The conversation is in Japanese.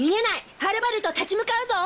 はればれと立ち向かうぞ！